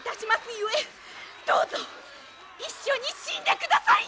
ゆえどうぞ一緒に死んでください！